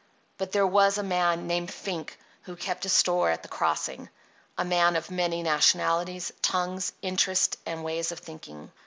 But there was a man named Fink who kept a store at the Crossing—a man of many nationalities, tongues, interests, and ways of thinking.